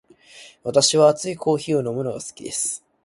私は熱いコーヒーを飲むのが好きです。